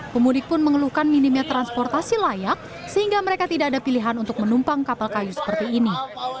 pemudik pun mengeluhkan minimnya transportasi layak sehingga mereka tidak ada pilihan untuk menumpang kapal kayu seperti ini